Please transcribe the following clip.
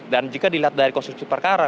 dan jika dilihat dari konstruksi perkara